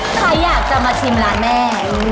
ใครอยากจะมาชิมร้านแม่